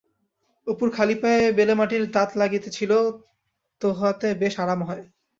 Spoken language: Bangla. অপুর খালি পায়ে বেলেমাটির তাত লাগিতেছিল-তোহাতে বেশ আরাম হয়।